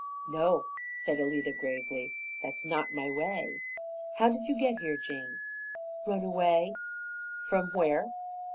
"No," said Alida gravely, "that's not my way. How did you get here, Jane?" "Run away." "From where?"